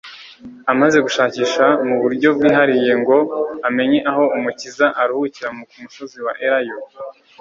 Amaze gushakisha mu buryo bwihariye ngo amenye aho Umukiza aruhukira ku musozi wa Elayo